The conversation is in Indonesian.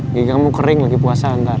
gigi kamu kering lagi puasa ntar